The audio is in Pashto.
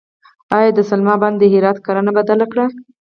آیا د سلما بند د هرات کرنه بدله کړه؟